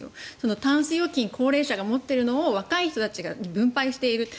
タンス預金高齢者が持っているのを若い人たちが分配している。